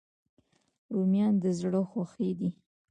رومیان د زړه خوښي دي